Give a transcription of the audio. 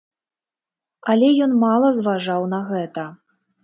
Але ён мала зважаў на гэта.